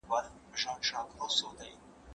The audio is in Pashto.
بيا به وروسته په هر ډول تصميم کي خپلي بدمرغۍ زغمي.